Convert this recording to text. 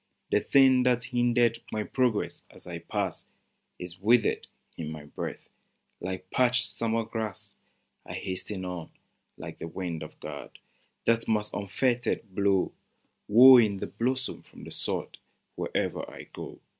73 CIVILIZATION The thing that hindereth My progress as I pass, Is withered in my breath Like parched summer grass. I hasten on, like the wind of God, That must unfettered blow, Wooing the blossom from the sod Where'er I go.